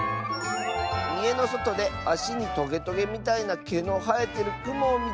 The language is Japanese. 「いえのそとであしにトゲトゲみたいなけのはえてるクモをみつけた！」。